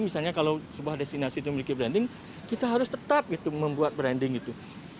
misalnya kalau sebuah destinasi itu memiliki branding kita harus tetap gitu membuat branding itu